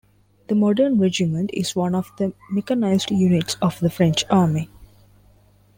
The modern regiment is one of the mechanised units of the French Army.